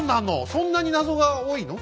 そんなに謎が多いの？